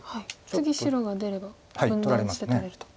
次白が出れば分断して取れると。